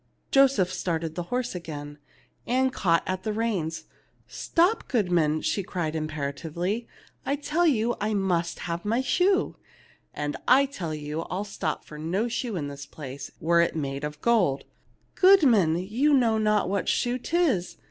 Joseph started the horse again. Ann caught at the reins. "Stop, goodman," she cried, imperatively. "I tell you I must have my shoe." "And I tell you I'll stop for no shoe in this place, were it made of gold." " Goodman, you know not what shoe 'tis.